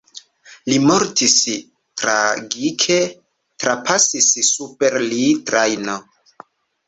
Li mortis tragike: trapasis super li trajno.